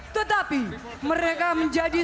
tetapi mereka menjadi